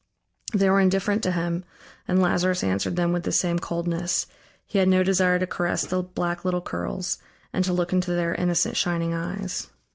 They were indifferent to him, and Lazarus answered them with the same coldness; he had no desire to caress the black little curls, and to look into their innocent shining eyes.